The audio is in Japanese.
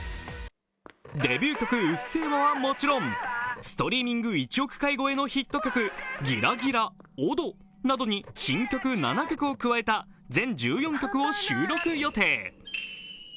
デビュー曲「うっせぇわ」はもちろん、ストリーミング１億回超えのヒット曲、「ギラギラ」、「踊」などに新曲７曲を加えた全１４曲を収録予定。